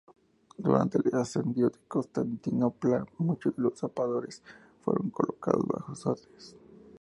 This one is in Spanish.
Durante el asedio a Constantinopla, muchos de los zapadores fueron colocados bajo sus órdenes.